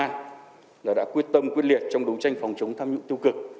đồng chí tổng bí thư đã quyết tâm quyết liệt trong đấu tranh phòng chống tham dụng tiêu cực